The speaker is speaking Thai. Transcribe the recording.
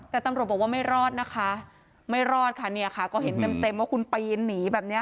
แต่ตำรวจบอกว่าไม่รอดนะคะไม่รอดค่ะเนี่ยค่ะก็เห็นเต็มว่าคุณปีนหนีแบบเนี้ย